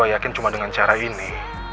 dan gue yakin cuma dengan cara ini